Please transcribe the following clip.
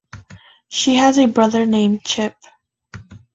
She has a brother named Chip.